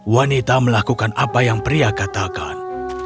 wanita melakukan apa yang pria katakan